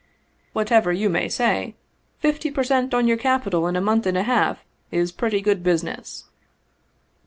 Whatever you may say, fifty per cent on your capital in a month and a half is pretty good business."